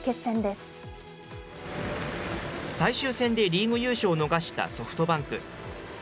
最終戦でリーグ優勝を逃したソフトバンク。